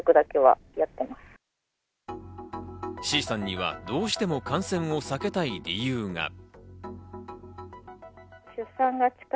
Ｃさんにはどうしても感染を避けたい理由が。